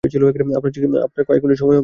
আপনার কয়েক মিনিট সময় হবে?